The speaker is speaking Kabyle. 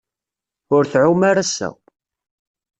Ur tɛum ara ass-a.